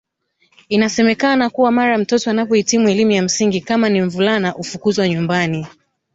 Inasemekana kuwa mara mtoto anapoitimu elimu ya msingi kama ni mvulana ufukuzwa nyumbani